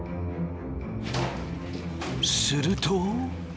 すると。